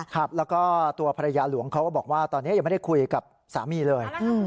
ครับแล้วก็ตัวภรรยาหลวงเขาก็บอกว่าตอนนี้ยังไม่ได้คุยกับสามีเลย